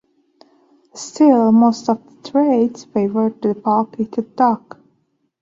Still, most of the traits favored the falcated duck.